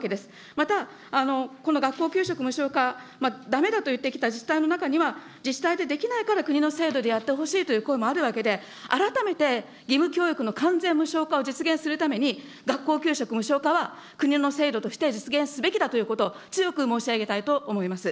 また、この学校給食無償化、だめだと言ってきた自治体の中には、自治体でできないから国の制度でやってほしいという声もあるわけで、改めて義務教育の完全無償化を実現するために学校給食無償化は、国の制度として実現すべきだということを強く申し上げたいと思います。